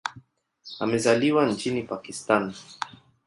Amezaliwa nchini Pakistan.